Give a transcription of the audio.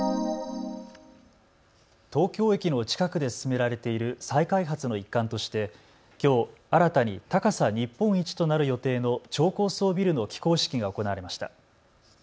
東京駅の近くで進められている再開発の一環としてきょう、新たに高さ日本一となる予定の超高層ビルの起工式が行われました。